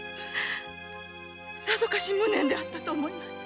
さぞかし無念であったと思います。